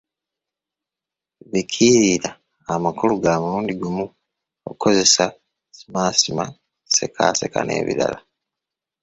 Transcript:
Bikiikirira amakulu ga mulundi gumu okugeza; simaasima, sekaaseka n’ebirala.